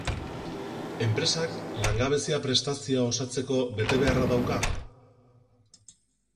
Enpresak langabezia-prestazioa osatzeko betebeharra dauka?